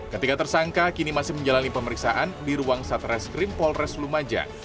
ketiga tersangka kini masih menjalani pemeriksaan di ruang satreskrim polres lumajang